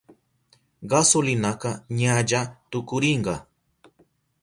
Gasolinaka ñalla tukurinka.